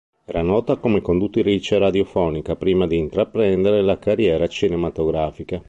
Era nota come conduttrice radiofonica prima di intraprendere la carriera cinematografica.